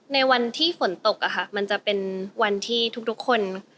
ในวันที่ฝนตกอะค่ะมันจะเป็นวันที่ทุกคน